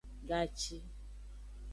Gaci.